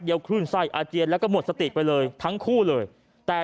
คลื่นไส้อาเจียนแล้วก็หมดสติไปเลยทั้งคู่เลยแต่